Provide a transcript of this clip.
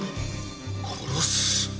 殺す！